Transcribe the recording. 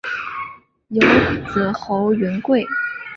有子侯云桂。